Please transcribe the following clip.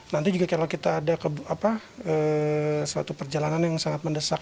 nanti juga kalau kita ada suatu perjalanan yang sangat mendesak